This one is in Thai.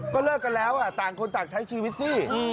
ก็เลิกกันแล้วต่างคนต่างใช้ชีวิตสิ